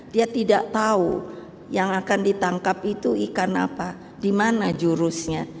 dia tidak tahu yang akan ditangkap itu ikan apa di mana jurusnya